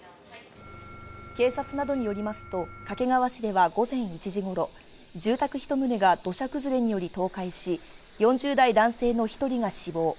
警察などによりますと、掛川市では午前１時頃、住宅一棟が土砂崩れにより倒壊し、４０代男性の１人が死亡。